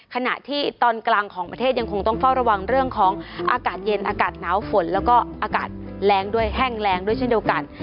ขณะที่ตอนกลางของประเทศยังคงต้องเฝ้าระวังเรื่องของอากาศเย็นอากาศหนาวฝนแล้วก็อากาศแรงด้วยแห้งแรงด้วยเช่นเดียวกัน